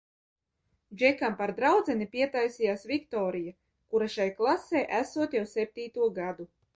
Džekam par draudzeni pietaisījās Viktorija, kura šai klasē esot jau septīto gadu.